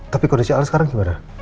tapi kondisi alam sekarang gimana